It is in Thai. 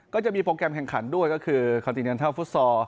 ก็จะมีโปรแกรมแข่งขันด้วยก็คือคาติเนียนเท่าฟุตซอล